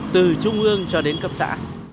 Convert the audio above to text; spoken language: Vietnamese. từ trung ương cho đến cấp xã